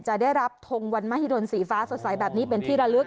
จะได้รับทงวันมหิดลสีฟ้าสดใสแบบนี้เป็นที่ระลึก